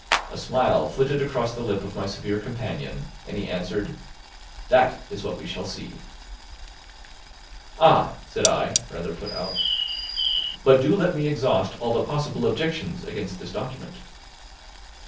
A smile flitted across the lip of my severe companion, and he answered: "That is what we shall see." "Ah!" said I, rather put out. "But do let me exhaust all the possible objections against this document."